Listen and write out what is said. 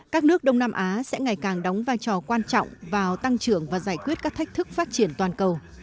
các nước đông nam á sẽ ngày càng đóng vai trò quan trọng vào tăng trưởng và giải quyết các thách thức phát triển toàn cầu